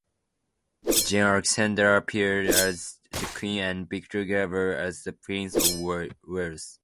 Jane Alexander appeared as the Queen and Victor Garber as the Prince of Wales.